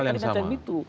hal yang sama